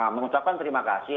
mengucapkan terima kasih